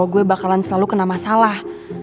gue bakalan selalu kena masalah